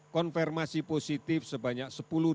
konfirmasi positif sebanyak sepuluh lima ratus lima puluh satu